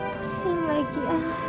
pusing lagi ya